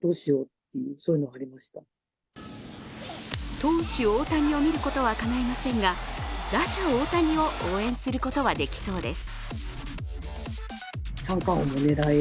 投手大谷を見ることはかないませんが、打者大谷を応援することはできそうです。